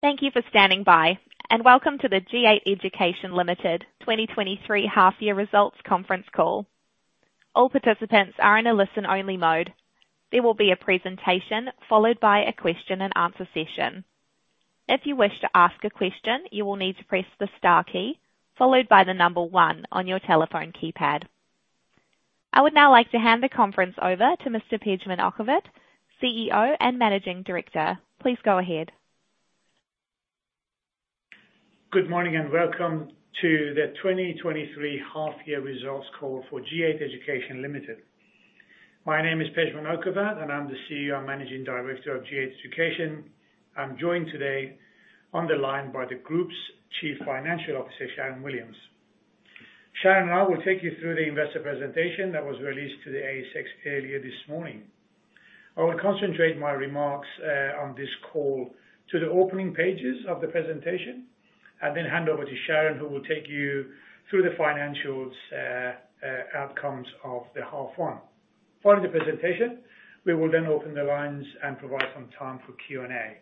Thank you for standing by, and welcome to the G8 Education Limited 2023 half year results conference call. All participants are in a listen-only mode. There will be a presentation followed by a question and answer session. If you wish to ask a question, you will need to press the star key followed by the number one on your telephone keypad. I would now like to hand the conference over to Mr. Pejman Okhovat, CEO and Managing Director. Please go ahead. Good morning, welcome to the 2023 half year results call for G8 Education Limited. My name is Pejman Okhovat, and I'm the CEO and Managing Director of G8 Education. I'm joined today on the line by the Group's Chief Financial Officer, Sharyn Williams. Sharyn and I will take you through the investor presentation that was released to the ASX earlier this morning. I will concentrate my remarks on this call to the opening pages of the presentation, and then hand over to Sharyn, who will take you through the financials outcomes of the half one. Following the presentation, we will then open the lines and provide some time for Q&A.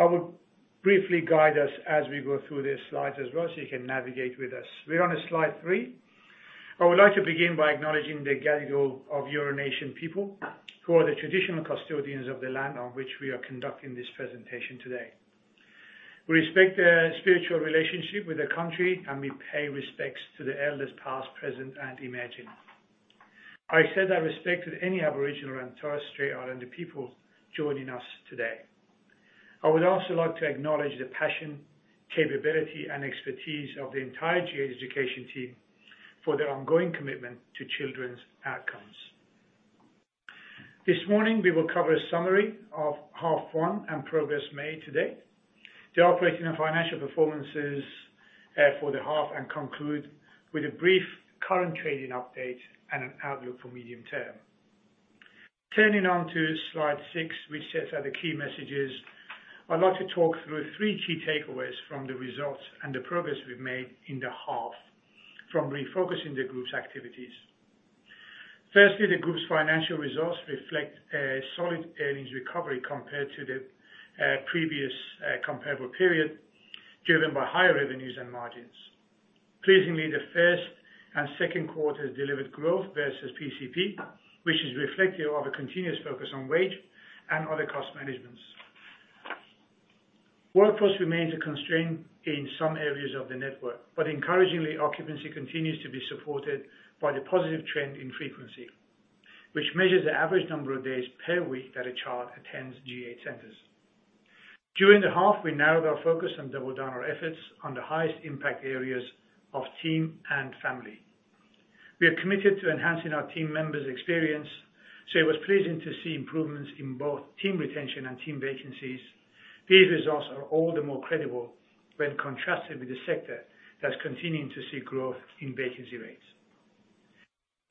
I will briefly guide us as we go through these slides as well, so you can navigate with us. We're on a slide three. I would like to begin by acknowledging the Gadigal of Eora Nation people, who are the traditional custodians of the land on which we are conducting this presentation today. We respect their spiritual relationship with the country, and we pay respects to the elders, past, present, and emerging. I extend that respect to any Aboriginal and Torres Strait Islander people joining us today. I would also like to acknowledge the passion, capability, and expertise of the entire G8 Education team for their ongoing commitment to children's outcomes. This morning, we will cover a summary of half one and progress made to date, the operating and financial performances for the half, and conclude with a brief current trading update and an outlook for medium term. Turning on to Slide six, which sets out the key messages, I'd like to talk through three key takeaways from the results and the progress we've made in the half from refocusing the group's activities. Firstly, the group's financial results reflect a solid earnings recovery compared to the previous comparable period, driven by higher revenues and margins. Pleasingly, the first and second quarters delivered growth versus PCP, which is reflective of a continuous focus on wage and other cost managements. Workforce remains a constraint in some areas of the network. Encouragingly, occupancy continues to be supported by the positive trend in frequency, which measures the average number of days per week that a child attends G8 centers. During the half, we narrowed our focus and doubled down our efforts on the highest impact areas of team and family. We are committed to enhancing our team members' experience, so it was pleasing to see improvements in both team retention and team vacancies. These results are all the more credible when contrasted with the sector that's continuing to see growth in vacancy rates.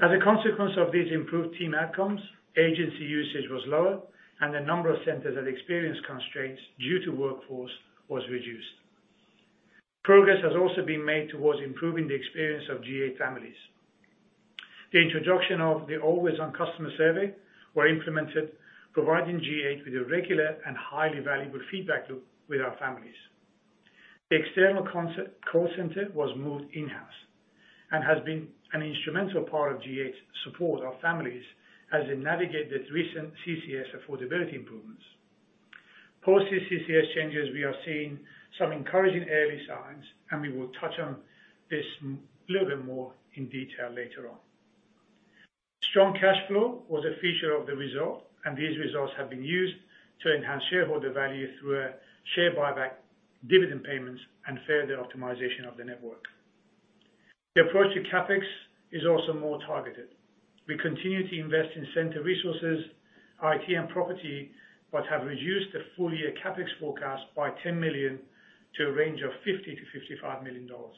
As a consequence of these improved team outcomes, agency usage was lower, and the number of centers that experienced constraints due to workforce was reduced. Progress has also been made towards improving the experience of G8 families. The introduction of the Always On customer survey were implemented, providing G8 with a regular and highly valuable feedback loop with our families. The external contact call center was moved in-house and has been an instrumental part of G8 support our families as they navigate the recent CCS affordability improvements. Post the CCS changes, we are seeing some encouraging early signs, and we will touch on this little bit more in detail later on. Strong cash flow was a feature of the result, and these results have been used to enhance shareholder value through a share buyback, dividend payments, and further optimization of the network. The approach to CapEx is also more targeted. We continue to invest in center resources, IT, and property, but have reduced the full-year CapEx forecast by 10 million to a range of 50 million-55 million dollars.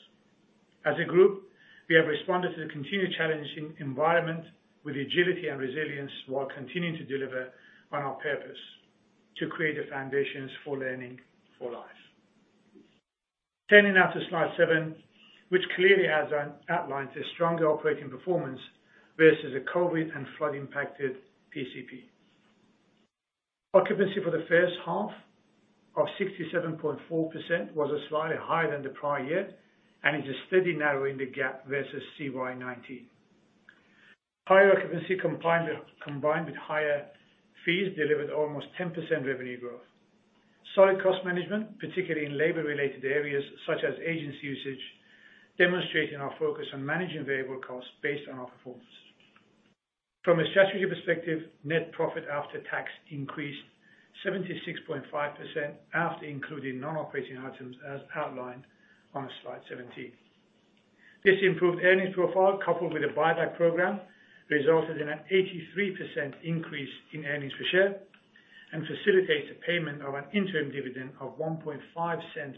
As a group, we have responded to the continued challenging environment with agility and resilience, while continuing to deliver on our purpose: to create the foundations for learning for life. Turning now to Slide seven, which clearly has out-outlined a stronger operating performance versus the COVID and flood-impacted PCP. Occupancy for the first half of 67.4% was slightly higher than the prior year and is steadily narrowing the gap versus CY 19. Higher occupancy combined with higher fees delivered almost 10% revenue growth. Solid cost management, particularly in labor-related areas such as agency usage, demonstrating our focus on managing variable costs based on our performance. From a strategic perspective, net profit after tax increased 76.5% after including non-operating items, as outlined on Slide 17. This improved earnings profile, coupled with a buyback program, resulted in an 83% increase in earnings per share and facilitates the payment of an interim dividend of 0.015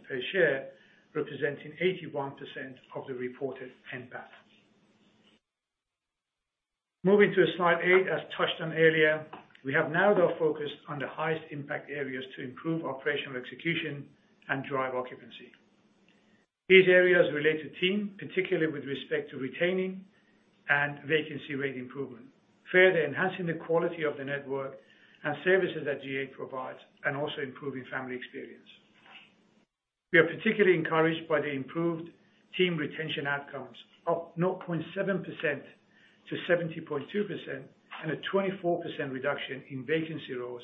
per share, representing 81% of the reported NPAT. Moving to Slide eight, as touched on earlier, we have narrowed our focus on the highest impact areas to improve operational execution and drive occupancy. These areas relate to team, particularly with respect to retaining and vacancy rate improvement. Further enhancing the quality of the network and services that G8 provides. Also improving family experience. We are particularly encouraged by the improved team retention outcomes, up 0.7% to 70.2%, and a 24% reduction in vacancy roles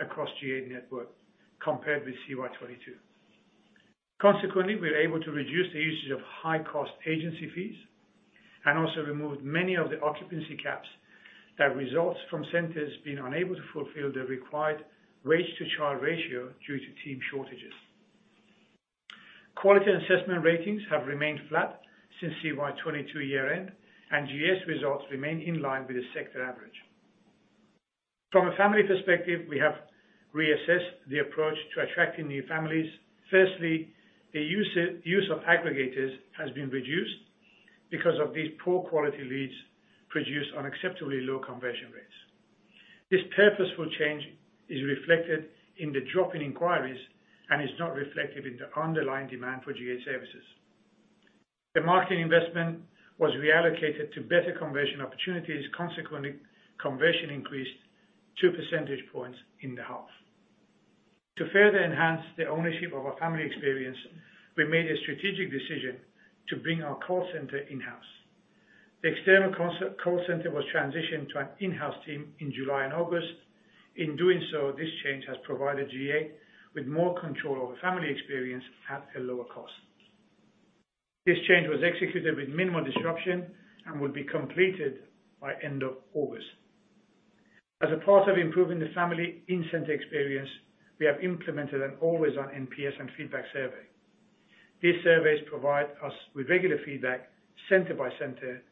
across G8 network compared with CY 2022. Consequently, we are able to reduce the usage of high-cost agency fees and also removed many of the occupancy caps that results from centers being unable to fulfill the required rate to child ratio due to team shortages. Quality assessment ratings have remained flat since CY 2022 year-end. G8's results remain in line with the sector average. From a family perspective, we have reassessed the approach to attracting new families. Firstly, the use of aggregators has been reduced because of these poor quality leads produce unacceptably low conversion rates. This purposeful change is reflected in the drop in inquiries and is not reflected in the underlying demand for G8 services. The marketing investment was reallocated to better conversion opportunities. Consequently, conversion increased 2% points in the half. To further enhance the ownership of our family experience, we made a strategic decision to bring our call center in-house. The external call center was transitioned to an in-house team in July and August. In doing so, this change has provided G8 with more control over family experience at a lower cost. This change was executed with minimal disruption and will be completed by end of August. As a part of improving the family in-center experience, we have implemented an Always On NPS and feedback survey. These surveys provide us with regular feedback, center by center,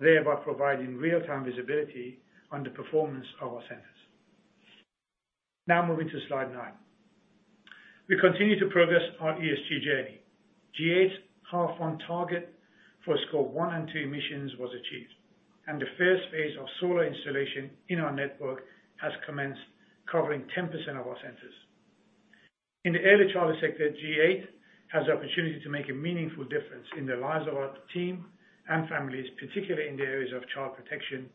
thereby providing real-time visibility on the performance of our centers. Moving to slide nine. We continue to progress our ESG journey. G8's H1 target for Scope 1 and 2 emissions was achieved, and the first phase of solar installation in our network has commenced, covering 10% of our centers. In the early childhood sector, G8 has the opportunity to make a meaningful difference in the lives of our team and families, particularly in the areas of child protection,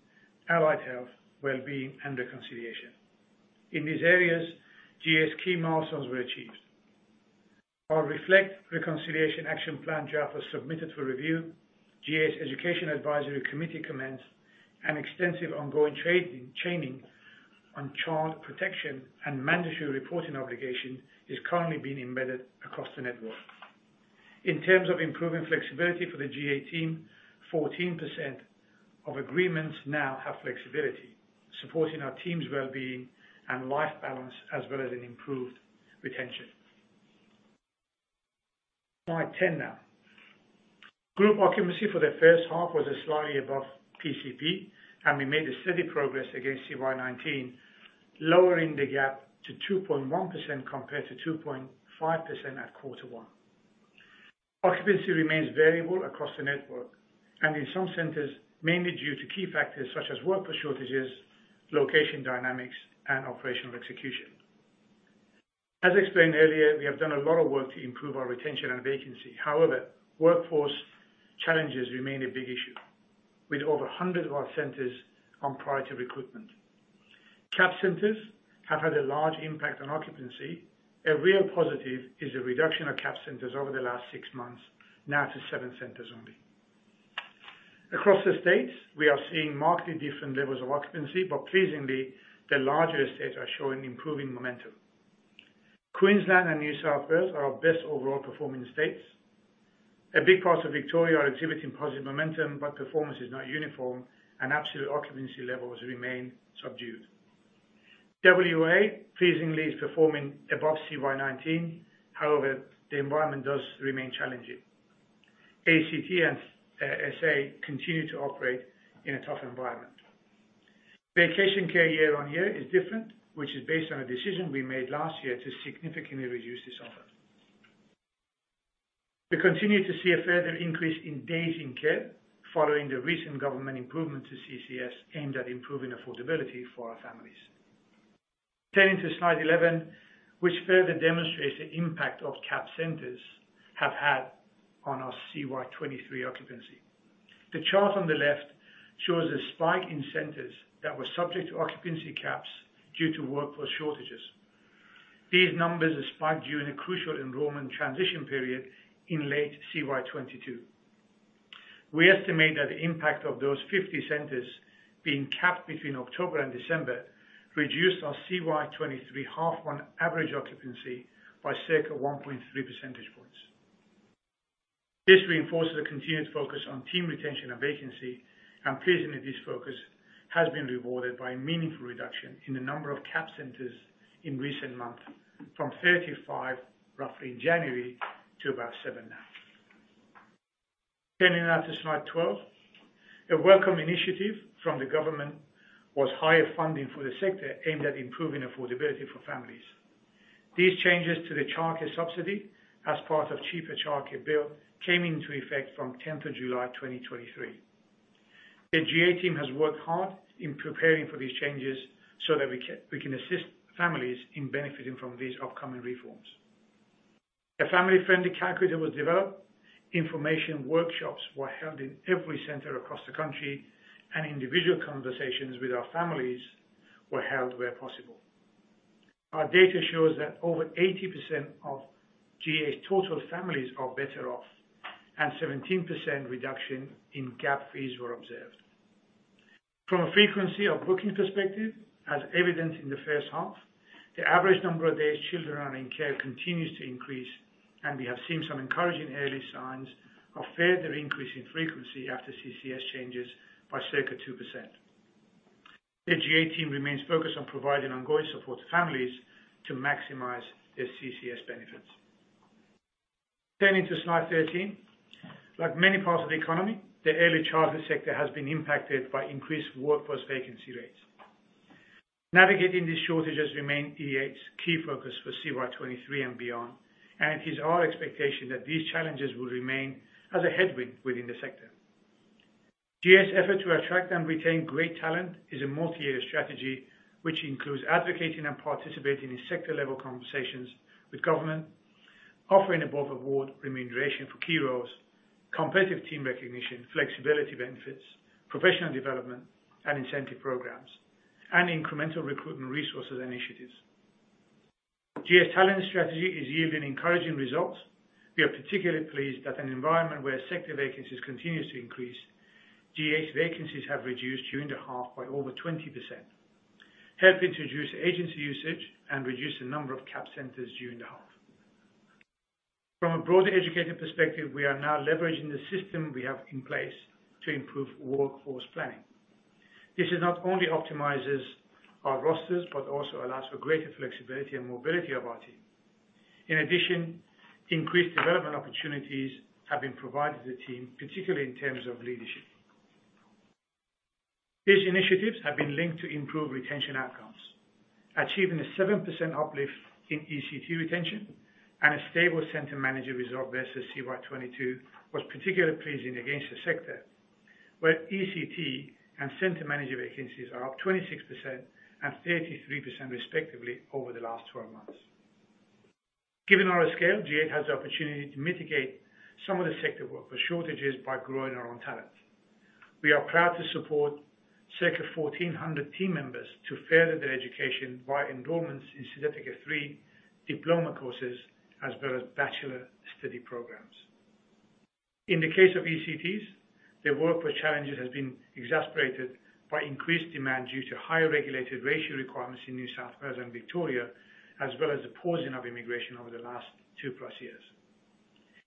allied health, well-being, and reconciliation. In these areas, G8's key milestones were achieved. Our Reflect Reconciliation Action Plan draft was submitted for review, G8's Education Advisory Committee commenced, and extensive ongoing training on child protection and mandatory reporting obligation is currently being embedded across the network. In terms of improving flexibility for the G8 team, 14% of agreements now have flexibility, supporting our team's well-being and life balance, as well as an improved retention. Slide 10 now. Group occupancy for the first half was slightly above PCP, and we made steady progress against CY nineteen, lowering the gap to 2.1% compared to 2.5% at quarter one. Occupancy remains variable across the network, and in some centers, mainly due to key factors such as workforce shortages, location dynamics, and operational execution. As explained earlier, we have done a lot of work to improve our retention and vacancy. Workforce challenges remain a big issue, with over 100 of our centers on priority recruitment. Capped centers have had a large impact on occupancy. A real positive is a reduction of capped centers over the last six months, now to seven centers only. Across the states, we are seeing markedly different levels of occupancy, pleasingly, the larger states are showing improving momentum. Queensland and New South Wales are our best overall performing states. A big part of Victoria are exhibiting positive momentum, performance is not uniform, and absolute occupancy levels remain subdued. WA pleasingly is performing above CY 2019. The environment does remain challenging. ACT and SA continue to operate in a tough environment. Vacation care year-over-year is different, which is based on a decision we made last year to significantly reduce this offer. We continue to see a further increase in days in care following the recent government improvement to CCS, aimed at improving affordability for our families. Turning to slide 11, which further demonstrates the impact of capped centers have had on our CY '23 occupancy. The chart on the left shows a spike in centers that were subject to occupancy caps due to workforce shortages. These numbers spiked during a crucial enrollment transition period in late CY '22. We estimate that the impact of those 50 centers being capped between October and December reduced our CY '23 half 1 average occupancy by circa 1.3% points. This reinforces the continued focus on team retention and vacancy, and pleasingly, this focus has been rewarded by a meaningful reduction in the number of capped centers in recent months, from 35, roughly in January, to about seven now. Turning now to slide 12. A welcome initiative from the government was higher funding for the sector, aimed at improving affordability for families. These changes to the Child Care Subsidy, as part of Cheaper Child Care Bill, came into effect from 10th of July, 2023. The G8 team has worked hard in preparing for these changes so that we can, we can assist families in benefiting from these upcoming reforms. A family-friendly calculator was developed, information workshops were held in every center across the country, and individual conversations with our families were held where possible. Our data shows that over 80% of G8's total families are better off, and 17% reduction in gap fees were observed. From a frequency of booking perspective, as evidenced in the 1st half, the average number of days children are in care continues to increase, and we have seen some encouraging early signs of further increase in frequency after CCS changes by circa 2%. The G8 team remains focused on providing ongoing support to families to maximize their CCS benefits. Turning to slide 13. Like many parts of the economy, the early childhood sector has been impacted by increased workforce vacancy rates. Navigating these shortages remain G8's key focus for CY 2023 and beyond. It is our expectation that these challenges will remain as a headwind within the sector. G8's effort to attract and retain great talent is a multi-year strategy, which includes advocating and participating in sector-level conversations with government, offering above award remuneration for key roles, competitive team recognition, flexibility benefits, professional development and incentive programs, and incremental recruitment resources initiatives. G8's talent strategy is yielding encouraging results. We are particularly pleased that an environment where sector vacancies continues to increase, G8's vacancies have reduced during the half by over 20%, helping to reduce agency usage and reduce the number of capped centers during the half. From a broader educator perspective, we are now leveraging the system we have in place to improve workforce planning. This not only optimizes our rosters, but also allows for greater flexibility and mobility of our team. In addition, increased development opportunities have been provided to the team, particularly in terms of leadership. These initiatives have been linked to improved retention outcomes. Achieving a 7% uplift in ECT retention and a stable center manager result versus CY 2022 was particularly pleasing against the sector, where ECT and center manager vacancies are up 26% and 33% respectively over the last 12 months. Given our scale, G8 has the opportunity to mitigate some of the sector workforce shortages by growing our own talent. We are proud to support circa 1,400 team members to further their education via enrollments in Certificate III, diploma courses, as well as bachelor study programs. In the case of ECTs, the workforce challenge has been exasperated by increased demand due to higher regulated ratio requirements in New South Wales and Victoria, as well as the pausing of immigration over the last 2+ years.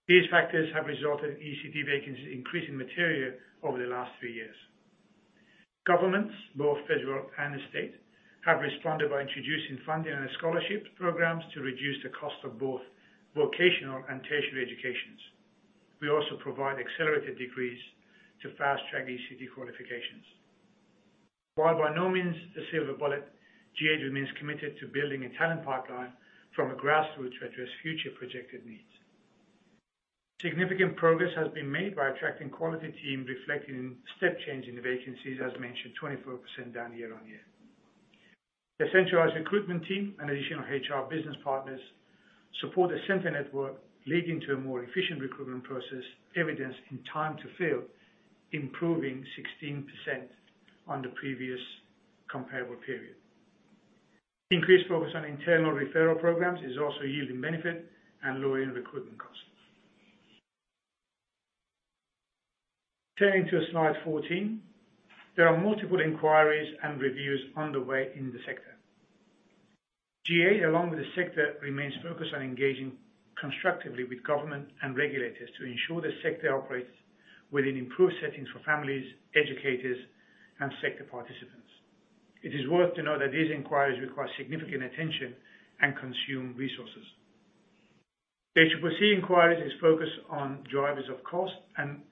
These factors have resulted in ECT vacancies increasing materially over the last three years. Governments, both federal and state, have responded by introducing funding and scholarship programs to reduce the cost of both vocational and tertiary educations. We also provide accelerated degrees to fast-track ECT qualifications. While by no means the silver bullet, G8 remains committed to building a talent pipeline from a grassroots to address future projected needs. Significant progress has been made by attracting quality team, reflecting step change in the vacancies, as mentioned, 24% down year-over-year. The centralized recruitment team and additional HR business partners support the center network, leading to a more efficient recruitment process, evidenced in time to fill, improving 16% on the previous comparable period. Increased focus on internal referral programs is also yielding benefit and lowering recruitment costs. Turning to slide 14, there are multiple inquiries and reviews underway in the sector. G8, along with the sector, remains focused on engaging constructively with government and regulators to ensure the sector operates within improved settings for families, educators, and sector participants. It is worth to know that these inquiries require significant attention and consume resources. The ACCC inquiry is focused on drivers of cost and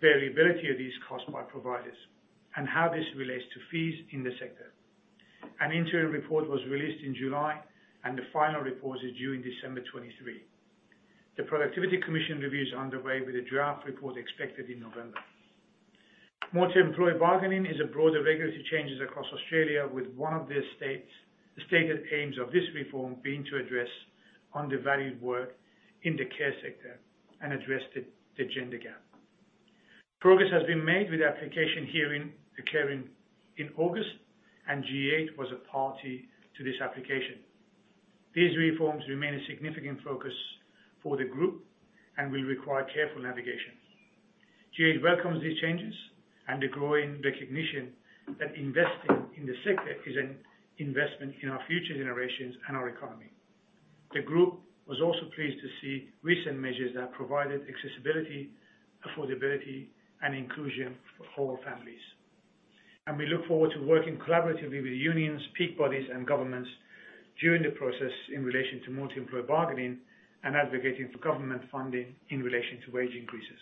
variability of these costs by providers, and how this relates to fees in the sector. An interim report was released in July, and the final report is due in December 2023. The Productivity Commission reviews are underway, with a draft report expected in November. Multi-employer bargaining is a broader regulatory changes across Australia, with one of the stated aims of this reform being to address undervalued work in the care sector and address the gender gap. Progress has been made with the application hearing occurring in August, and G8 was a party to this application. These reforms remain a significant focus for the group and will require careful navigation. G8 welcomes these changes and the growing recognition that investing in the sector is an investment in our future generations and our economy. The group was also pleased to see recent measures that provided accessibility, affordability, and inclusion for all families. We look forward to working collaboratively with unions, peak bodies, and governments during the process in relation to multi-employer bargaining and advocating for government funding in relation to wage increases.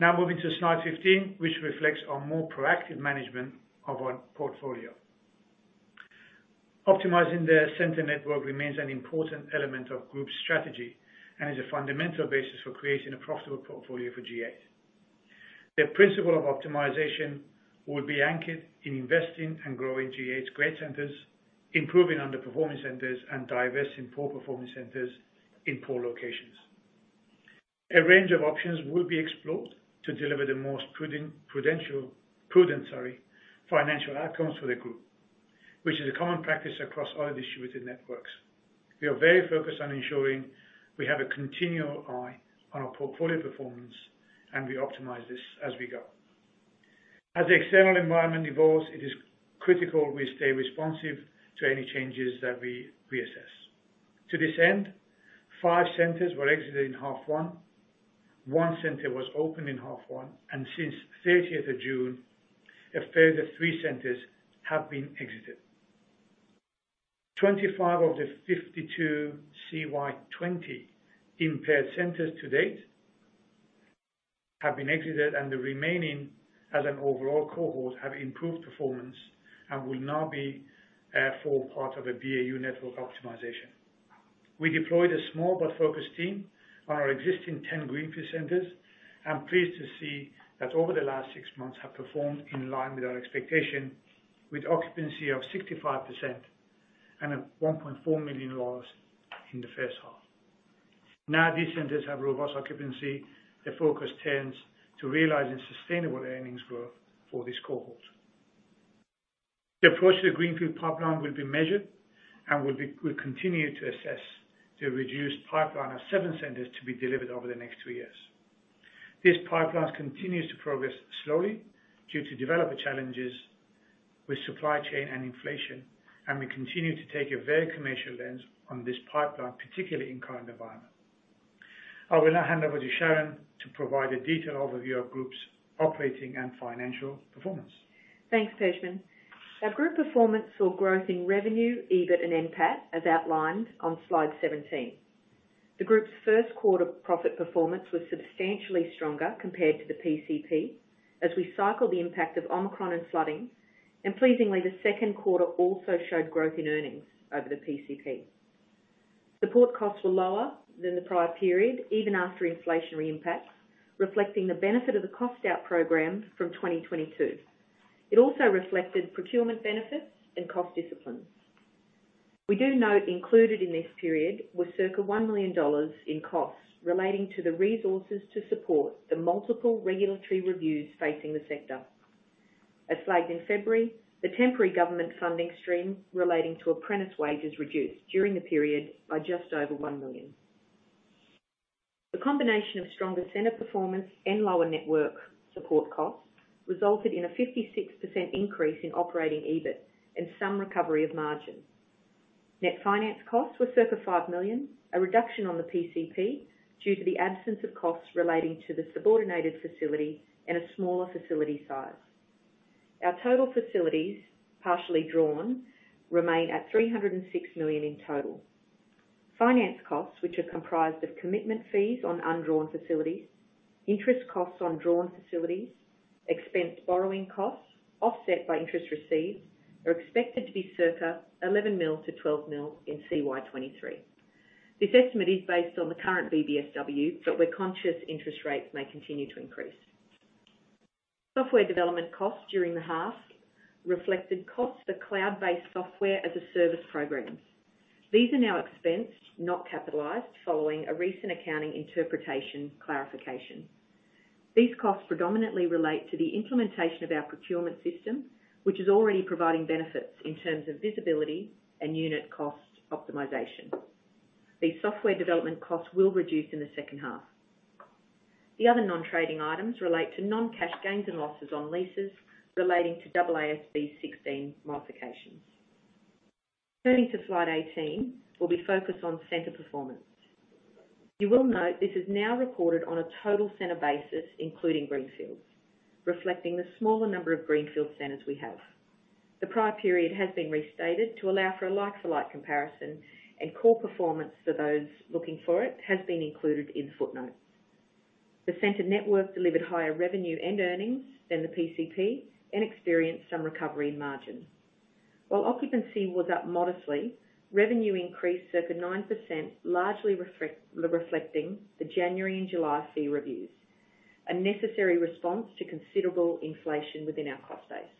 Now moving to slide 15, which reflects our more proactive management of our portfolio....Optimizing the center network remains an important element of group strategy and is a fundamental basis for creating a profitable portfolio for G8. The principle of optimization will be anchored in investing and growing G8's great centers, improving underperforming centers, and divesting poor performing centers in poor locations. A range of options will be explored to deliver the most prudent, sorry, financial outcomes for the group, which is a common practice across all distributed networks. We are very focused on ensuring we have a continual eye on our portfolio performance, and we optimize this as we go. As the external environment evolves, it is critical we stay responsive to any changes that we assess. To this end, five centers were exited in half 1, one center was opened in half 1, and since 30th of June, a further three centers have been exited. 25 of the 52 CY 20 impaired centers to date have been exited. The remaining, as an overall cohort, have improved performance and will now be a full part of a BAU network optimization. We deployed a small but focused team on our existing 10 Greenfield centers. I'm pleased to see that over the last six months have performed in line with our expectation, with occupancy of 65% and 1.4 million dollars in the first half. Now these centers have robust occupancy. The focus turns to realizing sustainable earnings growth for this cohort. The approach to the Greenfield pipeline will be measured, and we'll continue to assess the reduced pipeline of seven centers to be delivered over the next two years. This pipeline continues to progress slowly due to developer challenges with supply chain and inflation, and we continue to take a very commercial lens on this pipeline, particularly in current environment. I will now hand over to Sharyn to provide a detailed overview of group's operating and financial performance. Thanks, Pejman. Our group performance saw growth in revenue, EBIT and NPAT, as outlined on slide 17. The group's 1st quarter profit performance was substantially stronger compared to the PCP, as we cycle the impact of Omicron and flooding. Pleasingly, the 2nd quarter also showed growth in earnings over the PCP. Support costs were lower than the prior period, even after inflationary impacts, reflecting the benefit of the cost out program from 2022. It also reflected procurement benefits and cost discipline. We do note included in this period was circa 1 million dollars in costs relating to the resources to support the multiple regulatory reviews facing the sector. As flagged in February, the temporary government funding stream relating to apprentice wages reduced during the period by just over 1 million. The combination of stronger center performance and lower network support costs resulted in a 56% increase in operating EBIT and some recovery of margins. Net finance costs were circa 5 million, a reduction on the PCP due to the absence of costs relating to the subordinated facility and a smaller facility size. Our total facilities, partially drawn, remain at 306 million in total. Finance costs, which are comprised of commitment fees on undrawn facilities, interest costs on drawn facilities, expense borrowing costs offset by interest received, are expected to be circa 11 million-12 million in CY 2023. This estimate is based on the current BBSW, but we're conscious interest rates may continue to increase. Software development costs during the half reflected costs for cloud-based software as a service program. These are now expensed, not capitalized, following a recent accounting interpretation clarification. These costs predominantly relate to the implementation of our procurement system, which is already providing benefits in terms of visibility and unit cost optimization. These software development costs will reduce in the second half. The other non-trading items relate to non-cash gains and losses on leases relating to AASB 16 modifications. Turning to slide 18, we'll be focused on center performance. You will note this is now reported on a total center basis, including Greenfields, reflecting the smaller number of Greenfield centers we have. The prior period has been restated to allow for a like-for-like comparison, and core performance, for those looking for it, has been included in the footnote. The center network delivered higher revenue and earnings than the PCP and experienced some recovery in margin. While occupancy was up modestly, revenue increased circa 9%, largely reflecting the January and July fee reviews, a necessary response to considerable inflation within our cost base.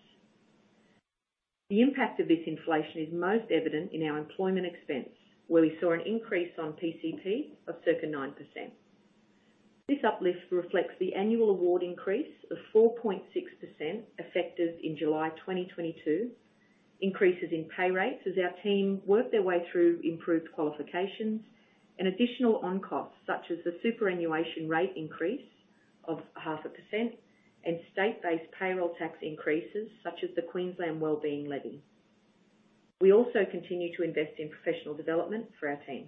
The impact of this inflation is most evident in our employment expense, where we saw an increase on PCP of circa 9%. This uplift reflects the annual award increase of 4.6%, effective in July 2022, increases in pay rates as our team work their way through improved qualifications, and additional on costs, such as the superannuation rate increase of 0.5% and state-based payroll tax increases, such as the Queensland Wellbeing Levy. We also continue to invest in professional development for our team.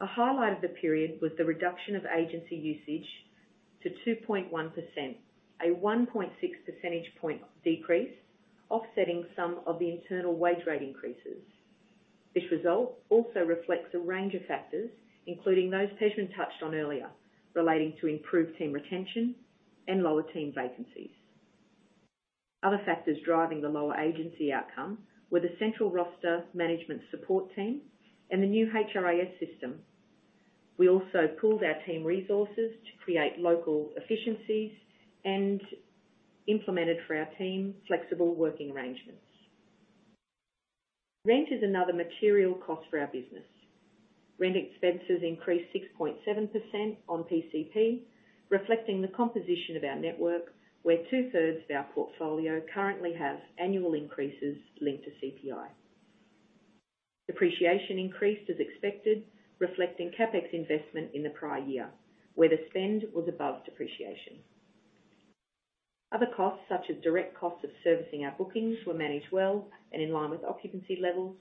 A highlight of the period was the reduction of agency usage to 2.1%, a 1.6% point decrease, offsetting some of the internal wage rate increases.... This result also reflects a range of factors, including those Pejman touched on earlier, relating to improved team retention and lower team vacancies. Other factors driving the lower agency outcome were the central roster management support team and the new HRIS system. We also pooled our team resources to create local efficiencies and implemented for our team flexible working arrangements. Rent is another material cost for our business. Rent expenses increased 6.7% on PCP, reflecting the composition of our network, where two-thirds of our portfolio currently have annual increases linked to CPI. Depreciation increased as expected, reflecting CapEx investment in the prior year, where the spend was above depreciation. Other costs, such as direct costs of servicing our bookings, were managed well and in line with occupancy levels,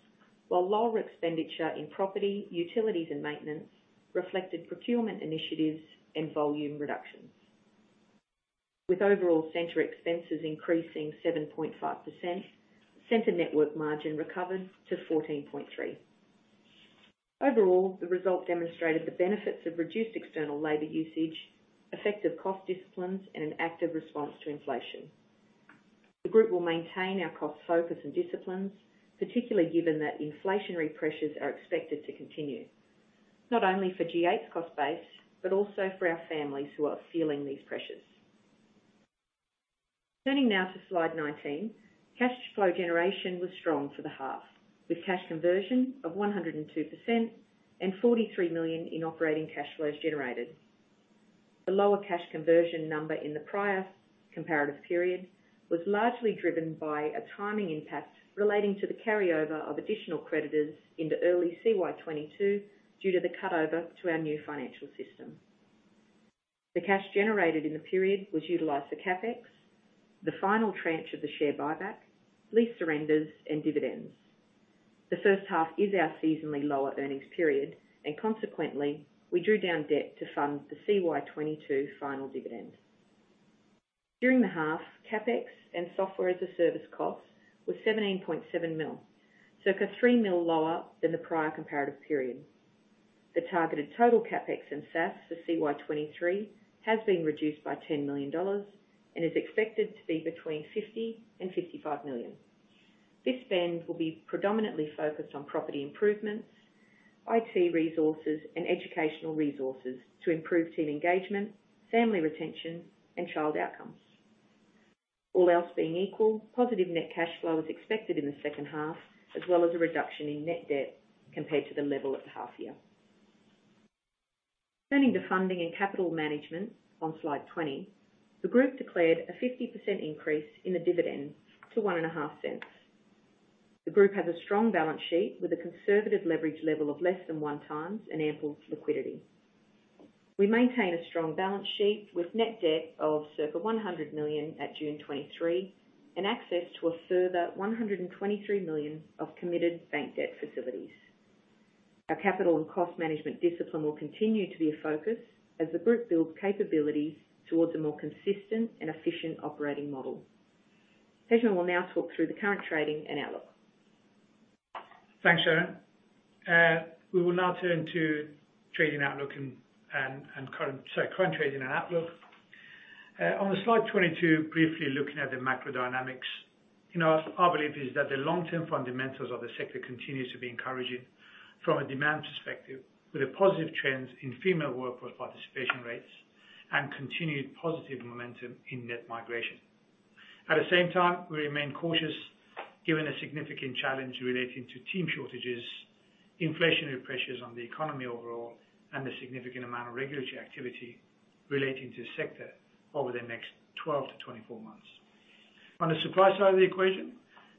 while lower expenditure in property, utilities, and maintenance reflected procurement initiatives and volume reductions. With overall center expenses increasing 7.5%, center network margin recovered to 14.3%. Overall, the result demonstrated the benefits of reduced external labor usage, effective cost disciplines, and an active response to inflation. The group will maintain our cost focus and disciplines, particularly given that inflationary pressures are expected to continue, not only for G8's cost base, but also for our families who are feeling these pressures. Turning now to slide 19. Cash flow generation was strong for the half, with cash conversion of 102% and 43 million in operating cash flows generated. The lower cash conversion number in the prior comparative period was largely driven by a timing impact relating to the carryover of additional creditors into early CY 2022 due to the cutover to our new financial system. The cash generated in the period was utilized for CapEx, the final tranche of the share buyback, lease surrenders, and dividends. The first half is our seasonally lower earnings period, and consequently, we drew down debt to fund the CY 2022 final dividend. During the half, CapEx and software as a service cost were 17.7 million, circa 3 million lower than the prior comparative period. The targeted total CapEx and SaaS for CY 2023 has been reduced by 10 million dollars and is expected to be between 50 million and 55 million. This spend will be predominantly focused on property improvements, IT resources, and educational resources to improve team engagement, family retention, and child outcomes. All else being equal, positive net cash flow is expected in the second half, as well as a reduction in net debt compared to the level at the half year. Turning to funding and capital management on slide 20. The group declared a 50% increase in the dividend to 0.015. The group has a strong balance sheet with a conservative leverage level of less than 1x and ample liquidity. We maintain a strong balance sheet with net debt of circa 100 million at June 2023, and access to a further 123 million of committed bank debt facilities. Our capital and cost management discipline will continue to be a focus as the group builds capabilities towards a more consistent and efficient operating model. Pejman will now talk through the current trading and outlook. Thanks, Sharyn. We will now turn to trading outlook and current trading and outlook. On the slide 22, briefly looking at the macro dynamics. You know, our belief is that the long-term fundamentals of the sector continues to be encouraging from a demand perspective, with a positive trend in female workforce participation rates and continued positive momentum in net migration. At the same time, we remain cautious given the significant challenge relating to team shortages, inflationary pressures on the economy overall, and the significant amount of regulatory activity relating to the sector over the next 12 to 24 months. On the supply side of the equation,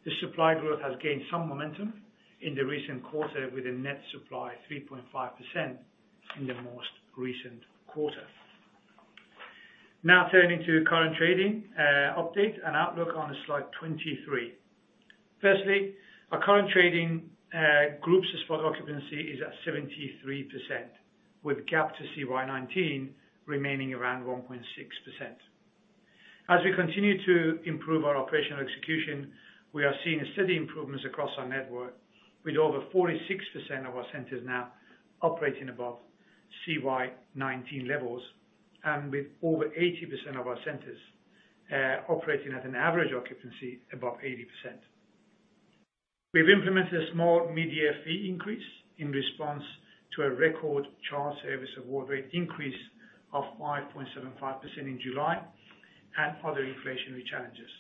the supply growth has gained some momentum in the recent quarter, with a net supply 3.5% in the most recent quarter. Turning to current trading, update and outlook on slide 23. Firstly, our current trading, group's spot occupancy is at 73%, with gap to CY 2019 remaining around 1.6%. As we continue to improve our operational execution, we are seeing steady improvements across our network, with over 46% of our centers now operating above CY 2019 levels, and with over 80% of our centers, operating at an average occupancy above 80%. We've implemented a small media fee increase in response to a record Child Service Award rate increase of 5.75% in July and other inflationary challenges.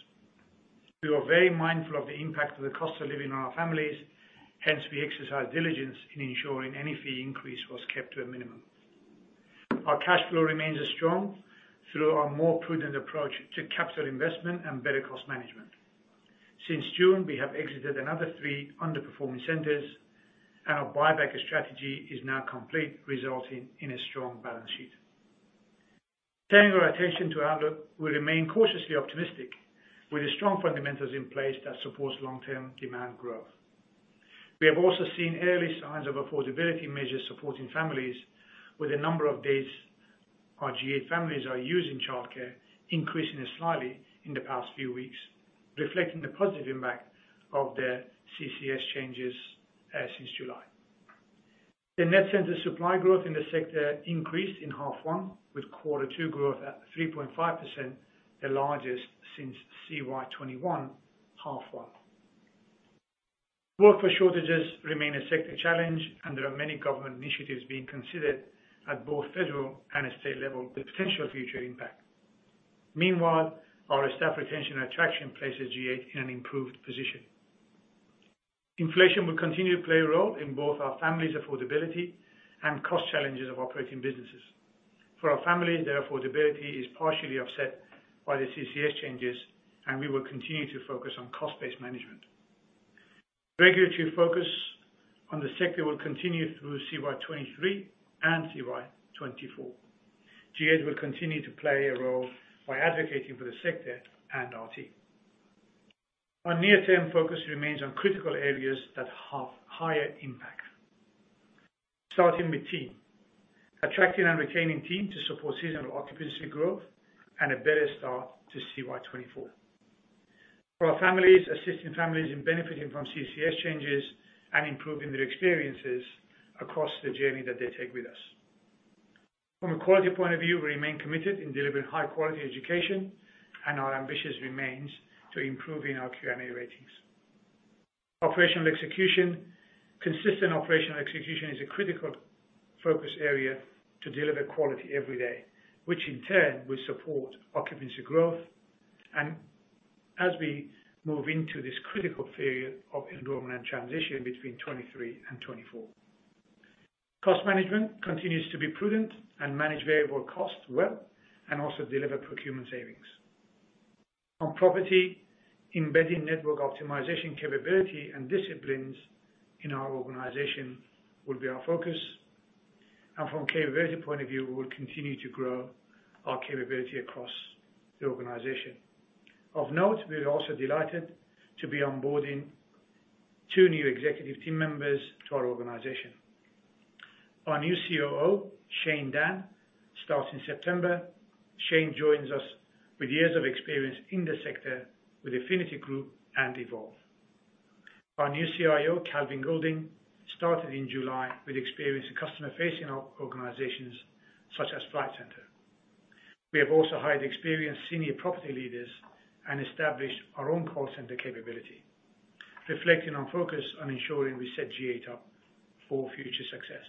We are very mindful of the impact of the cost of living on our families; hence, we exercise diligence in ensuring any fee increase was kept to a minimum. Our cash flow remains strong through our more prudent approach to capital investment and better cost management. Since June, we have exited another three underperforming centers and our buyback strategy is now complete, resulting in a strong balance sheet. Turning our attention to outlook, we remain cautiously optimistic with the strong fundamentals in place that supports long-term demand growth. We have also seen early signs of affordability measures supporting families with a number of Our G8 families are using childcare, increasing slightly in the past few weeks, reflecting the positive impact of the CCS changes since July. The net center supply growth in the sector increased in H1, with Q2 growth at 3.5%, the largest since CY 2021 H1. Workforce shortages remain a sector challenge and there are many government initiatives being considered at both federal and state level with potential future impact. Meanwhile, our staff retention attraction places G8 in an improved position. Inflation will continue to play a role in both our families' affordability and cost challenges of operating businesses. For our families, their affordability is partially offset by the CCS changes, and we will continue to focus on cost-based management. Regulatory focus on the sector will continue through CY 2023 and CY 2024. G8 will continue to play a role by advocating for the sector and our team. Our near-term focus remains on critical areas that have higher impact, starting with team. Attracting and retaining team to support seasonal occupancy growth and a better start to CY 2024. For our families, assisting families in benefiting from CCS changes and improving their experiences across the journey that they take with us. From a quality point of view, we remain committed in delivering high quality education, and our ambitions remains to improving our NQS ratings. Operational execution. Consistent operational execution is a critical focus area to deliver quality every day, which in turn will support occupancy growth. As we move into this critical period of enrollment and transition between 23 and 24. Cost management continues to be prudent and manage variable costs well, and also deliver procurement savings. On property, embedding network optimization capability and disciplines in our organization will be our focus, and from capability point of view, we will continue to grow our capability across the organization. Of note, we are also delighted to be onboarding two new executive team members to our organization. Our new COO, Shane Dann, starts in September. Shane joins us with years of experience in the sector with Affinity Group and Evolve. Our new CIO, Calvin Goulding, started in July with experience in customer-facing organizations such as Flight Centre. We have also hired experienced senior property leaders and established our own call center capability, reflecting our focus on ensuring we set G8 up for future success.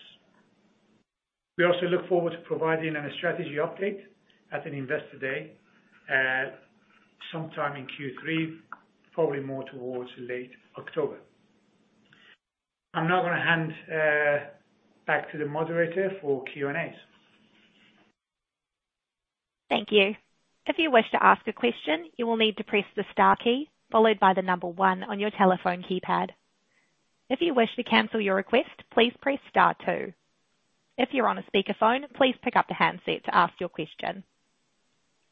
We also look forward to providing an strategy update at an investor day, sometime in Q3, probably more towards late October. I'm now gonna hand back to the moderator for Q&As. Thank you. If you wish to ask a question, you will need to press the star key followed by the one on your telephone keypad. If you wish to cancel your request, please press star two. If you're on a speakerphone, please pick up the handset to ask your question.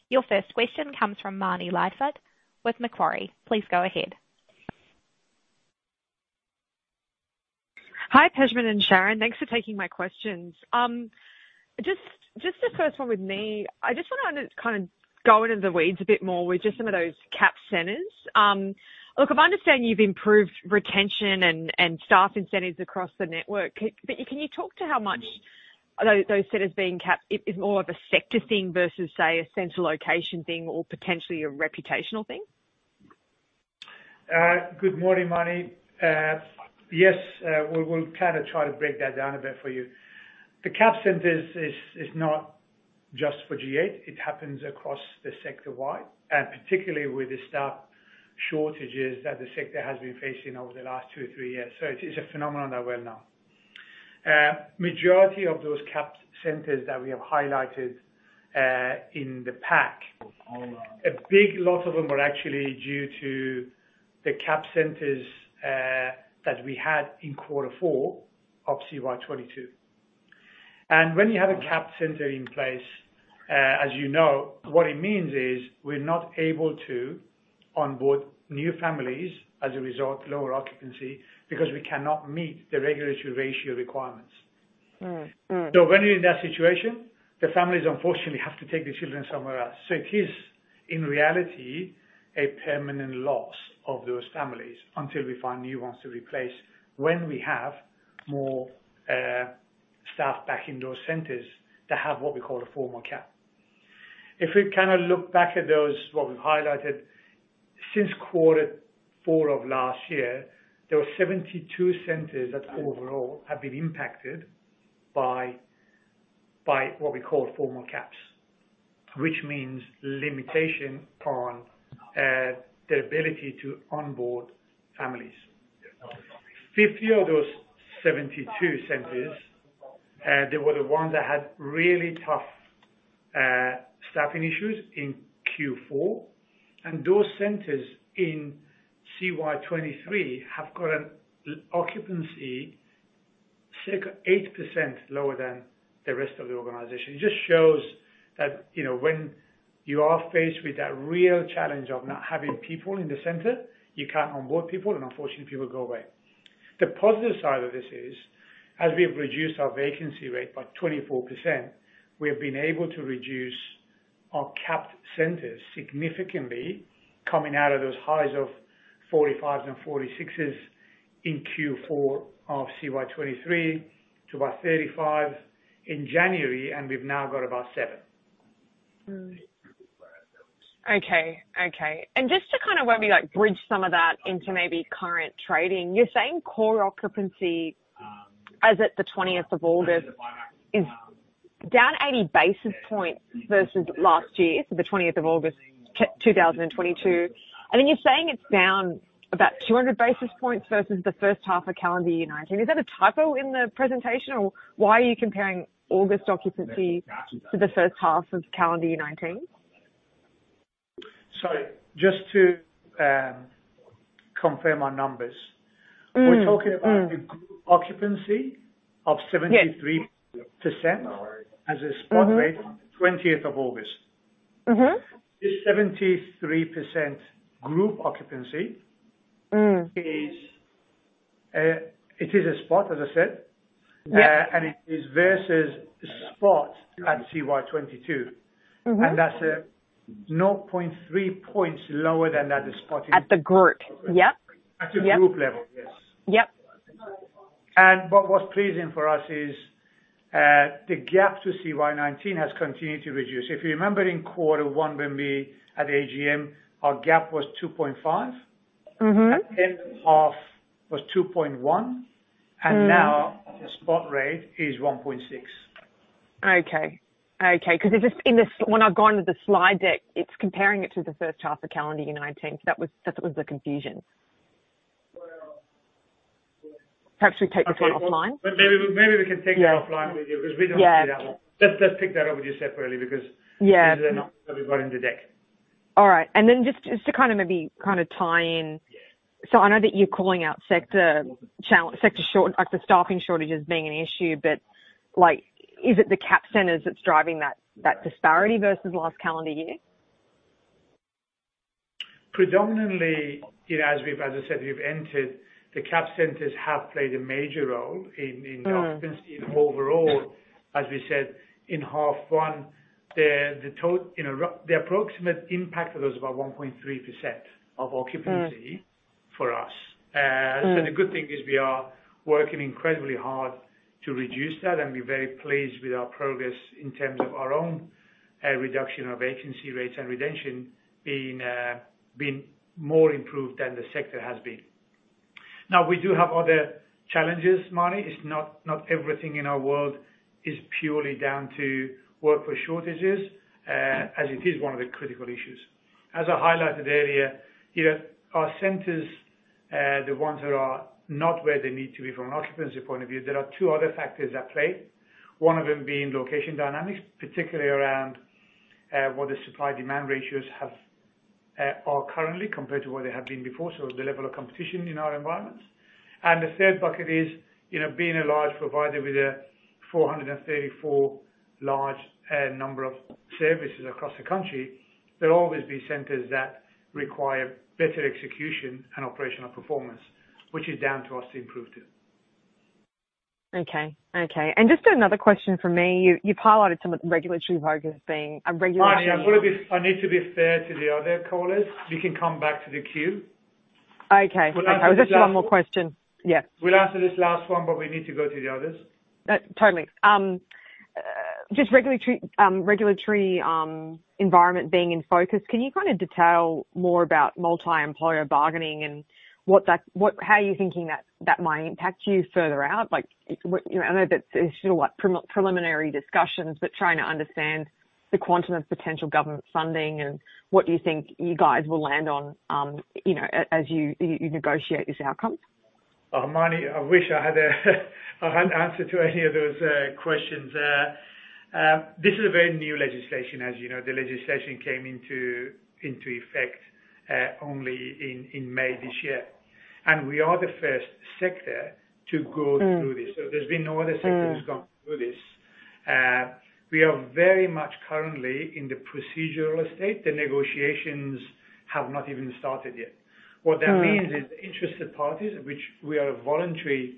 Your first question comes from Marni Lysaght with Macquarie. Please go ahead. Hi, Pejman and Sharyn. Thanks for taking my questions. Just, just the first one with me, I just wanna kind of go into the weeds a bit more with just some of those capped centers. Look, I understand you've improved retention and, and staff incentives across the network. Can you talk to how much are those, those centers being capped is more of a sector thing versus, say, a central location thing or potentially a reputational thing? Good morning, Marni. Yes, we'll, we'll kind of try to break that down a bit for you. The capped centers is, is not just for G8, it happens across the sector-wide, and particularly with the staff shortages that the sector has been facing over the last two or three years. It is a phenomenon that we're well now. Majority of those capped centers that we have highlighted, in the pack, a big lot of them are actually due to the capped centers, that we had in Q4 of CY 2022. When you have a capped center in place, as you know, what it means is, we're not able to onboard new families as a result, lower occupancy, because we cannot meet the regulatory ratio requirements. Mm. Mm. When you're in that situation, the families unfortunately have to take the children somewhere else. It is, in reality, a permanent loss of those families until we find new ones to replace when we have more staff back in those centers to have what we call a formal cap. If we kind of look back at those, what we've highlighted, since quarter four of last year, there were 72 centers that overall have been impacted by what we call formal caps, which means limitation on the ability to onboard families. 50 of those 72 centers, they were the ones that had really tough staffing issues in Q4, and those centers in CY 2023 have got an occupancy 6% or 8% lower than the rest of the organization. It just shows that, you know, when you are faced with that real challenge of not having people in the center, you can't onboard people, and unfortunately, people go away. The positive side of this is, as we've reduced our vacancy rate by 24%, we have been able to reduce our capped centers significantly, coming out of those highs of 45s and 46s in Q4 of CY 2023 to about 35 in January, and we've now got about seven. Mm. Okay. Okay. Just to kind of maybe like bridge some of that into maybe current trading, you're saying core occupancy as at the 20th of August is down 80 basis points versus last year, so the 20th of August, 2022. Then you're saying it's down about 200 basis points versus the first half of calendar year 2019. Is that a typo in the presentation, or why are you comparing August occupancy to the first half of calendar year 2019? Sorry, just to confirm our numbers. Mm-hmm. Mm. We're talking about the group occupancy- Yeah. of 73% as a spot rate on the 20th of August. Mm-hmm. This 73% group occupancy- Mm It is a spot, as I said. Yeah. It is versus spot at CY 2022. Mm-hmm. That's 0.3 points lower than that spot is. At the group? Yep. At the group level, yes. Yep. What's pleasing for us is, the gap to CY 2019 has continued to reduce. If you remember in Quarter One, when we, at AGM, our gap was 2.5. Mm-hmm. End of half was 2.1- Mm. now the spot rate is 1.6. Okay. Okay, 'cause it just, in the when I've gone to the slide deck, it's comparing it to the first half of calendar year 2019, so that was, that was the confusion. Perhaps we take this one offline? Maybe, maybe we can take that offline with you. Yeah. 'Cause we don't see that one. Yeah. Let's, let's pick that up with you separately. Yeah these are not what we've got in the deck. All right. Then just, just to kind of maybe kind of tie in. Yeah. I know that you're calling out like, the staffing shortage as being an issue, but, like, is it the cap centers that's driving that, that disparity versus last calendar year? Predominantly, you know, as we've, as I said, we've entered, the cap centers have played a major role in. Mm occupancy overall. As we said, in half one, the, the You know, the approximate impact of it was about 1.3% of occupancy. Mm for us. Mm. The good thing is we are working incredibly hard to reduce that, and we're very pleased with our progress in terms of our own reduction of vacancy rates and retention being more improved than the sector has been. We do have other challenges, Marnie. It's not, not everything in our world is purely down to workforce shortages, as it is one of the critical issues. As I highlighted earlier, you know, our centers, the ones that are not where they need to be from an occupancy point of view, there are two other factors at play. One of them being location dynamics, particularly around what the supply-demand ratios have or currently, compared to what they have been before, so the level of competition in our environments. The third bucket is, you know, being a large provider with a 434 large number of services across the country, there'll always be centers that require better execution and operational performance, which is down to us to improve to. Okay. Okay, Just another question from me. You, you've highlighted some of the regulatory focus being a regulatory. Marnie, I've got to be... I need to be fair to the other callers. We can come back to the queue. Okay. We'll answer this one- Just one more question. Yeah. We'll answer this last one, but we need to go to the others. Totally. Just regulatory, regulatory environment being in focus, can you kind of detail more about multi-employer bargaining and what that, how are you thinking that, that might impact you further out? Like, what? You know, I know that it's sort of like preliminary discussions, but trying to understand the quantum of potential government funding and what you think you guys will land on, you know, as you, you, you negotiate this outcome? Marni, I wish I had a, I had answer to any of those, questions. This is a very new legislation, as you know. The legislation came into, into effect, only in, in May this year, and we are the first sector to go through this. Mm. there's been no other sector- Mm... that's gone through this. We are very much currently in the procedural state. The negotiations have not even started yet. Mm. What that means is the interested parties, which we are a voluntary,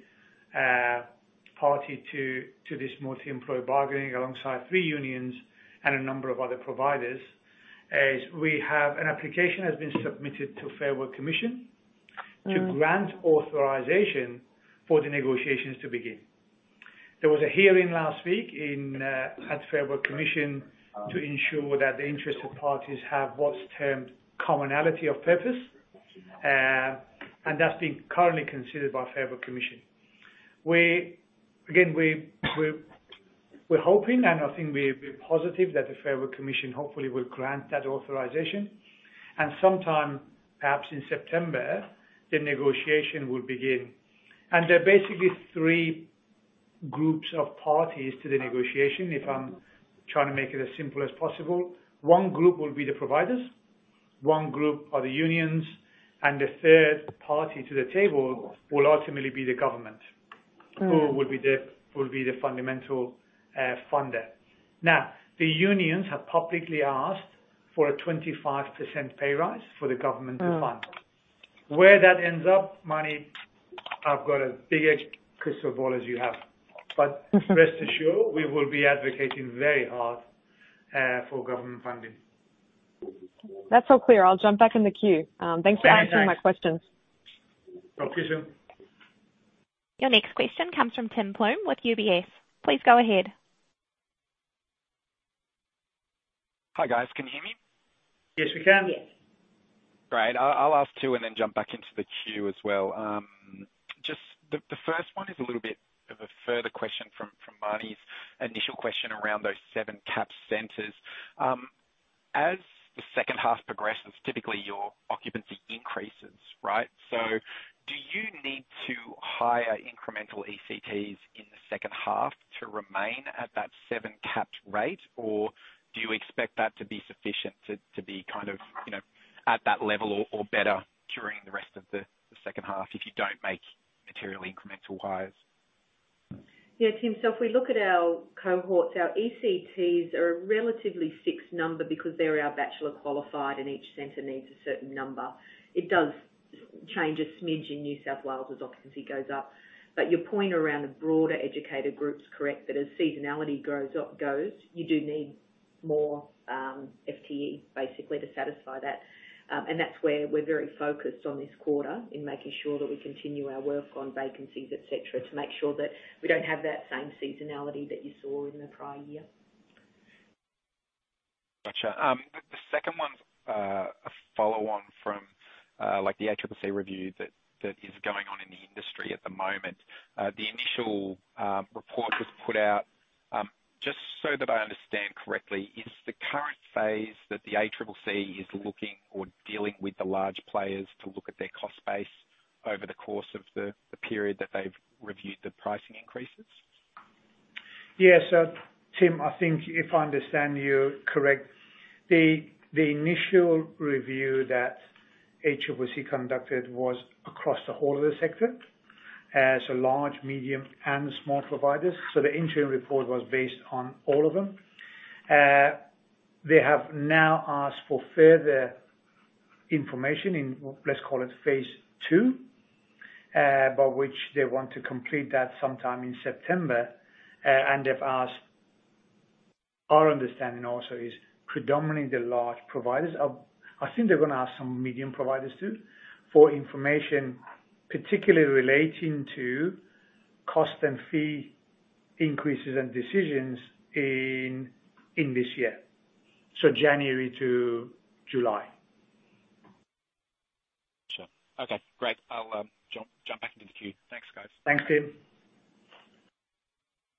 party to, to this multi-employer bargaining, alongside three unions and a number of other providers, is we have. An application has been submitted to Fair Work Commission. Mm... to grant authorization for the negotiations to begin. There was a hearing last week in, at Fair Work Commission to ensure that the interested parties have what's termed "commonality of purpose," and that's being currently considered by Fair Work Commission. Again, we, we're, we're hoping, and I think we're, we're positive that the Fair Work Commission hopefully will grant that authorization, and sometime, perhaps in September, the negotiation will begin. There are basically three groups of parties to the negotiation, if I'm trying to make it as simple as possible. One group will be the providers, one group are the unions, and the third party to the table will ultimately be the government, who will be the, will be the fundamental funder. The unions have publicly asked for a 25% pay rise for the government to fund. Mm. Where that ends up, Marni, I've got as big a crystal ball as you have. Rest assured, we will be advocating very hard for government funding. That's all clear. I'll jump back in the queue. Thanks for answering my questions. Thank you. Talk to you soon. Your next question comes from Tim Plumbe with UBS. Please go ahead. Hi, guys. Can you hear me? Yes, we can. Yes. Great. I'll, I'll ask two and then jump back into the queue as well. Just the, the first one is a little bit of a further question from, from Marni's initial question around those seven capped centers. As the second half progresses, typically your occupancy increases, right? Do you need to hire incremental ECTs in the second half to remain at that seven capped rate? Or do you expect that to be sufficient to, to be kind of, you know, at that level or, or better during the rest of the, the second half if you don't make materially incremental hires? Yeah, Tim. If we look at our cohorts, our ECTs are a relatively fixed number because they're our bachelor qualified, and each center needs a certain number. It does change a smidge in New South Wales as occupancy goes up. Your point around the broader educator group is correct, that as seasonality grows up, goes, you do need more, FTE, basically, to satisfy that. That's where we're very focused on this quarter, in making sure that we continue our work on vacancies, et cetera, to make sure that we don't have that same seasonality that you saw in the prior year. Gotcha. The, the second one's a follow on from, like, the ACCC review that, that is going on in the industry at the moment. The initial report that was put out, just so that I understand correctly, is the current phase that the ACCC is looking or dealing with the large players to look at their cost base over the course of the, the period that they've reviewed the pricing increases? Yeah. Tim, I think if I understand you correct, the initial review that ACCC conducted was across the whole of the sector, so large, medium, and small providers. The interim report was based on all of them. They have now asked for further information in, let's call it phase 2, which they want to complete that sometime in September. They've asked... Our understanding also is predominantly the large providers. I think they're going to ask some medium providers, too, for information, particularly relating to cost and fee increases and decisions in this year. January to July. Sure. Okay, great. I'll jump back into the queue. Thanks, guys. Thanks, Tim.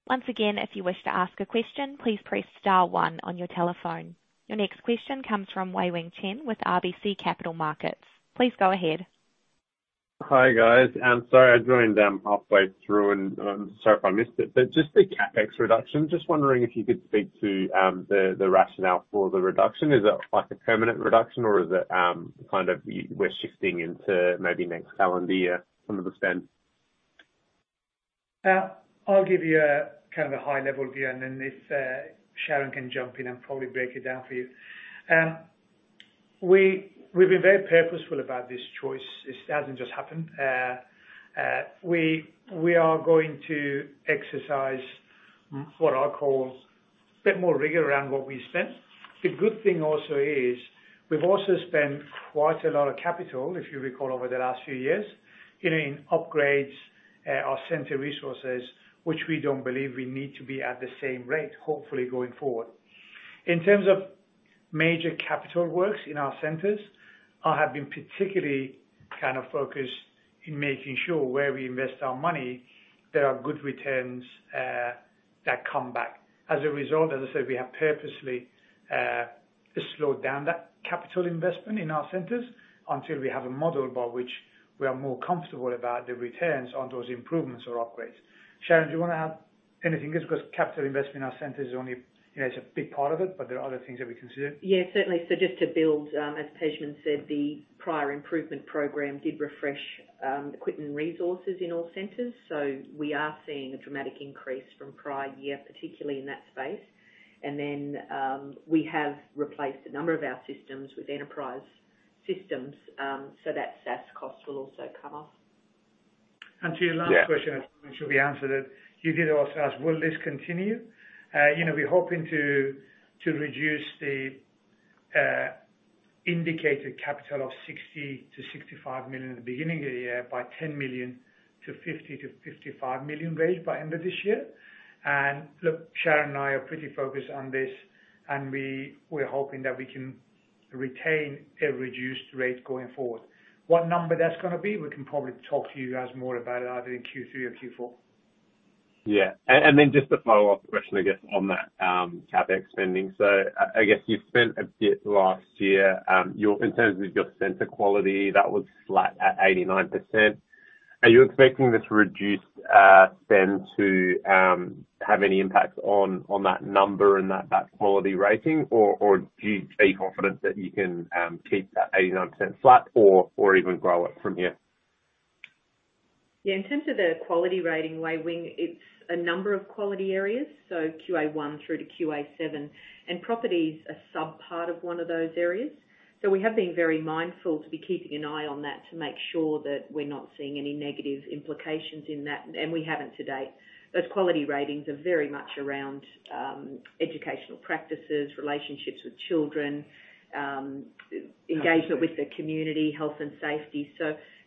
Once again, if you wish to ask a question, please press star 1 on your telephone. Your next question comes from Wei-Weng Chen with RBC Capital Markets. Please go ahead. Hi, guys. I'm sorry, I joined, halfway through, and I'm sorry if I missed it, but just the CapEx reduction, just wondering if you could speak to, the, the rationale for the reduction. Is it, like, a permanent reduction, or is it, kind of we're shifting into maybe next calendar year from understand? I'll give you a kind of a high-level view, and then if Sharyn can jump in and probably break it down for you. We, we've been very purposeful about this choice. This hasn't just happened. We, we are going to exercise what I call a bit more rigor around what we spend. The good thing also is we've also spent quite a lot of capital, if you recall, over the last few years, in, in upgrades, our center resources, which we don't believe we need to be at the same rate, hopefully going forward. In terms of major capital works in our centers, I have been particularly kind of focused in making sure where we invest our money, there are good returns that come back. As a result, as I said, we have purposely, slowed down that capital investment in our centers until we have a model by which we are more comfortable about the returns on those improvements or upgrades. Sharyn, do you want to add anything else? Capital investment in our centers is only, you know, it's a big part of it, but there are other things that we consider. Yeah, certainly. Just to build, as Pejman said, the prior improvement program did refresh equipment resources in all centers, so we are seeing a dramatic increase from prior year, particularly in that space. Then, we have replaced a number of our systems with enterprise systems, so that SaaS cost will also come off. To your last question? Yeah. I'm sure we answered it. You did also ask, will this continue? You know, we're hoping to, to reduce the indicated CapEx of 60 million-65 million at the beginning of the year by 10 million to 50 million-55 million range by end of this year. Look, Sharyn and I are pretty focused on this, and we, we're hoping that we can retain a reduced rate going forward. What number that's gonna be, we can probably talk to you guys more about it either in Q3 or Q4. Yeah. Just a follow-up question, I guess, on that CapEx spending. I guess you've spent a bit last year, in terms of your center quality, that was flat at 89%. Are you expecting this reduced spend to have any impact on that number and that quality rating? Do you stay confident that you can keep that 89% flat or even grow it from here? Yeah, in terms of the quality rating, Wei-Weng, it's a number of quality areas, so QA 1 through to QA 7, and property is a subpart of one of those areas. We have been very mindful to be keeping an eye on that, to make sure that we're not seeing any negative implications in that, and we haven't to date. Those quality ratings are very much around educational practices, relationships with children, engagement with the community, health and safety.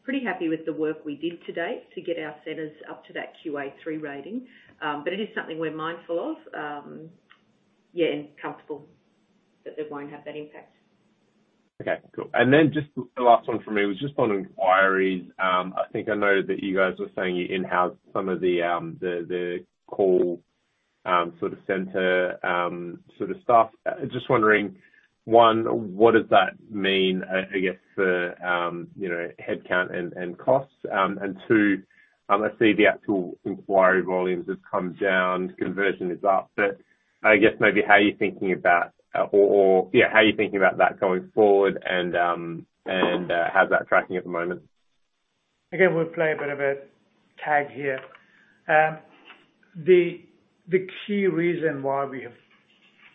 Pretty happy with the work we did to date to get our centers up to that QA 3 rating. But it is something we're mindful of, yeah, and comfortable that it won't have that impact. Okay, cool. Just the last one for me was just on inquiries. I think I know that you guys were saying you in-house some of the, the, the call, sort of center, sort of stuff. Just wondering, One, what does that mean, I guess, for, you know, headcount and, and costs? Two, I see the actual inquiry volumes have come down, conversion is up, but I guess maybe how are you thinking about, or, or, yeah, how are you thinking about that going forward? And, how's that tracking at the moment? Again, we'll play a bit of a tag here. The, the key reason why we have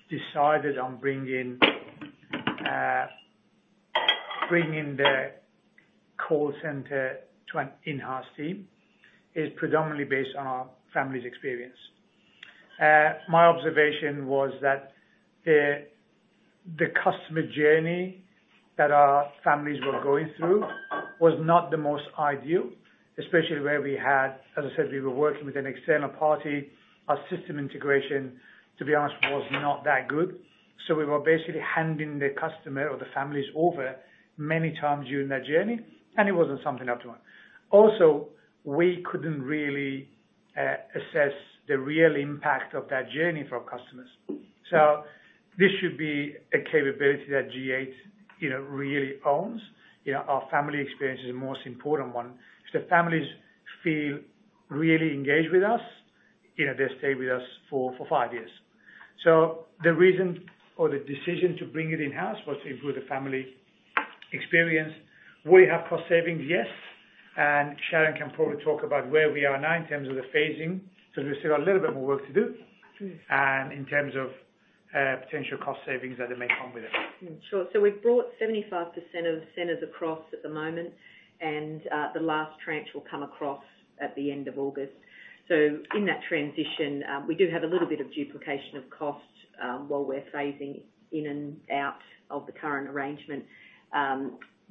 decided on bringing, bringing the call center to an in-house team, is predominantly based on our families' experience. My observation was that, the customer journey that our families were going through was not the most ideal, especially where we as I said, we were working with an external party. Our system integration, to be honest, was not that good. We were basically handing the customer or the families over many times during their journey, and it wasn't something optimal. We couldn't really, assess the real impact of that journey for our customers. This should be a capability that G8, you know, really owns. You know, our family experience is the most important one. If the families feel really engaged with us, you know, they stay with us for, for five years. The reason or the decision to bring it in-house was to improve the family experience. We have cost savings, yes, and Sharyn can probably talk about where we are now in terms of the phasing, because we've still got a little bit more work to do in terms of potential cost savings that it may come with it. Sure. We've brought 75% of the centers across at the moment, and the last tranche will come across at the end of August. In that transition, we do have a little bit of duplication of costs, while we're phasing in and out of the current arrangement.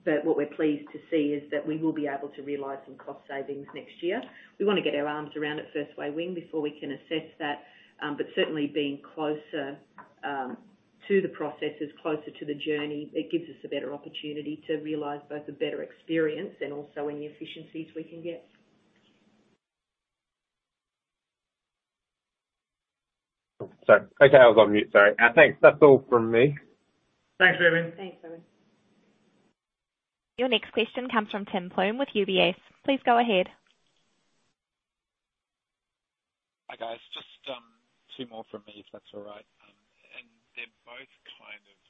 What we're pleased to see is that we will be able to realize some cost savings next year. We want to get our arms around it first, Wei Wing, before we can assess that. Certainly being closer to the processes, closer to the journey, it gives us a better opportunity to realize both a better experience and also any efficiencies we can get. Sorry. Okay, I was on mute. Sorry. Thanks. That's all from me. Thanks, Wei Wing. Thanks, Wei Wing. Your next question comes from Tim Plumbe with UBS. Please go ahead. Hi, guys. Just two more from me, if that's all right. They're both.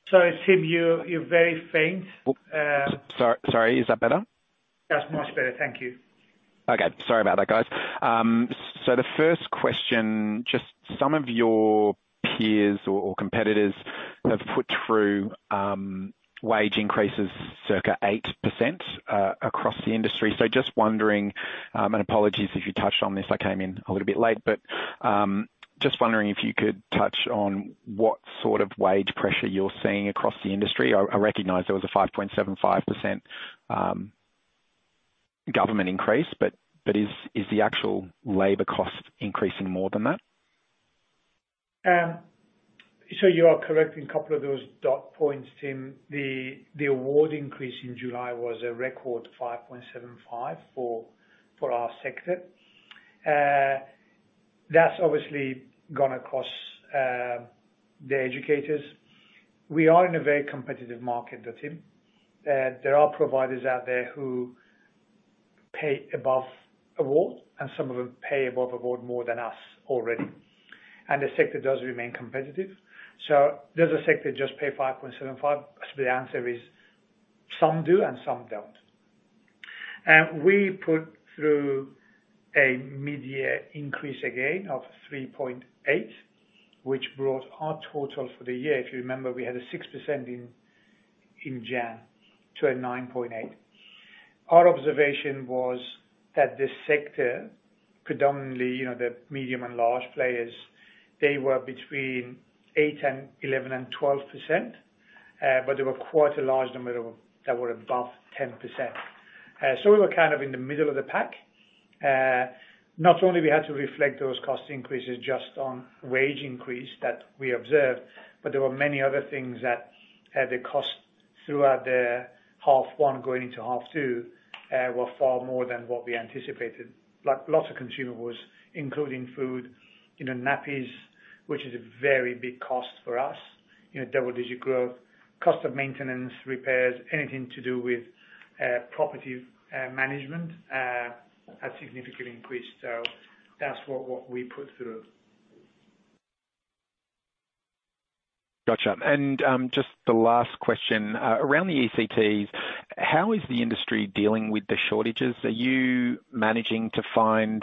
Sorry, Tim, you're, you're very faint. Sorry, sorry. Is that better? That's much better. Thank you. Okay. Sorry about that, guys. The first question, just some of your peers or, or competitors have put through wage increases, circa 8%, across the industry. Just wondering, and apologies if you touched on this, I came in a little bit late, but just wondering if you could touch on what sort of wage pressure you're seeing across the industry. I, I recognize there was a 5.75% government increase, but, but is, is the actual labor cost increasing more than that? You are correct in a couple of those dot points, Tim. The award increase in July was a record 5.75% for our sector. That's obviously gonna cost the educators. We are in a very competitive market, though, Tim. There are providers out there who pay above award, some of them pay above award more than us already. The sector does remain competitive. Does the sector just pay 5.75%? The answer is, some do and some don't. We put through a mid-year increase again of 3.8%, which brought our total for the year... If you remember, we had a 6% in January to a 9.8%. Our observation was that this sector, predominantly, you know, the medium and large players, they were between 8% and 11% and 12%, but there were quite a large number of them that were above 10%. We were kind of in the middle of the pack. Not only we had to reflect those cost increases just on wage increase that we observed, but there were many other things that, the cost throughout the half one going into half two, were far more than what we anticipated. Like, lots of consumables, including food, you know, nappies, which is a very big cost for us, you know, double-digit growth. Cost of maintenance, repairs, anything to do with, property, management, has significantly increased. That's what, what we put through. Gotcha. Just the last question. Around the ECTs, how is the industry dealing with the shortages? Are you managing to find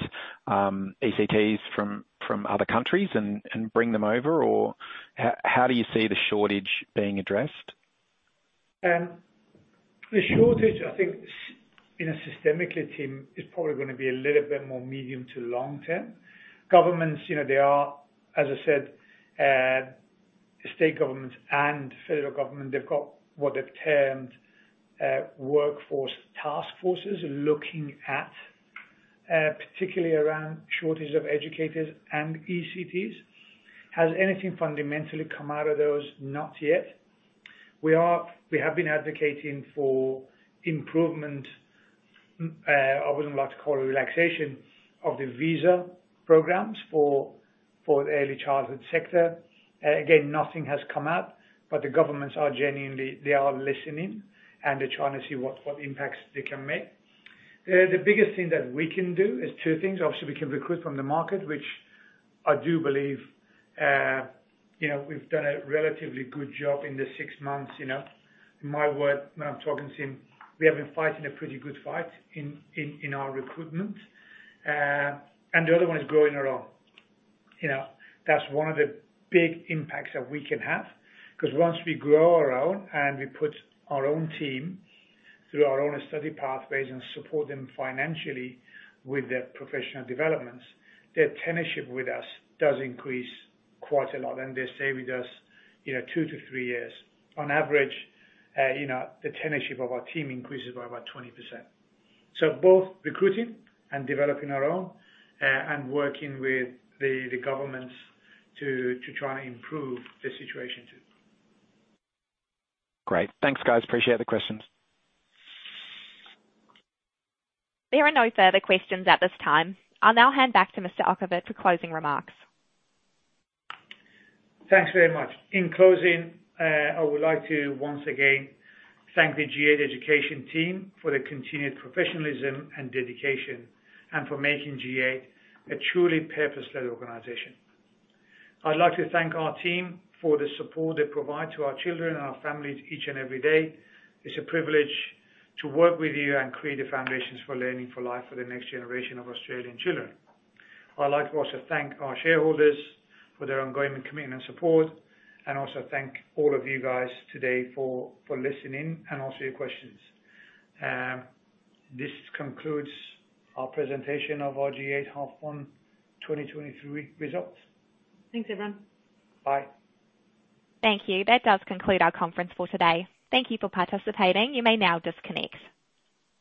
ECTs from other countries and bring them over? Or h-how do you see the shortage being addressed? The shortage, I think in a systemic, Tim, is probably going to be a little bit more medium to long term. Governments, you know, they are, as I said, state governments and federal government, they've got what they've termed, workforce task forces, looking at, particularly around shortages of educators and ECTs. Has anything fundamentally come out of those? Not yet. We have been advocating for improvement, I wouldn't like to call it relaxation, of the visa programs for, for the early childhood sector. Again, nothing has come out, the governments are genuinely, they are listening, and they're trying to see what, what impacts they can make. The biggest thing that we can do is two things. Obviously, we can recruit from the market, which I do believe, you know, we've done a relatively good job in the six months, you know. In my word, when I'm talking to team, we have been fighting a pretty good fight in, in, in our recruitment. The other one is growing our own. You know, that's one of the big impacts that we can have, 'cause once we grow our own and we put our own team through our own study pathways and support them financially with their professional developments, their tenureship with us does increase quite a lot, and they stay with us, you know, two-three years. On average, you know, the tenureship of our team increases by about 20%. Both recruiting and developing our own, and working with the, the governments to, to try and improve the situation, too. Great. Thanks, guys. Appreciate the questions. There are no further questions at this time. I'll now hand back to Mr. Okhovat for closing remarks. Thanks very much. In closing, I would like to once again thank the G8 Education team for their continued professionalism and dedication, and for making G8 a truly purpose-led organization. I'd like to thank our team for the support they provide to our children and our families each and every day. It's a privilege to work with you and create the foundations for learning for life for the next generation of Australian children. I'd like to also thank our shareholders for their ongoing commitment and support, and also thank all of you guys today for, for listening and also your questions. This concludes our presentation of our G8 half 1 2023 results. Thanks, everyone. Bye. Thank you. That does conclude our conference for today. Thank you for participating. You may now disconnect.